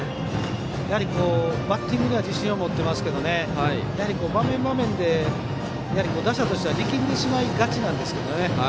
やはりバッティングには自信を持っていますが場面場面で打者としては力みがちなんですけどね。